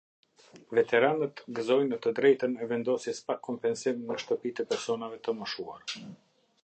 Veteranët gëzojnë të drejtën e vendosjes pa kompensim në shtëpitë e personave të moshuar.